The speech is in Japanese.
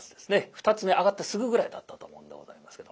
二つ目上がってすぐぐらいだったと思うんでございますけど。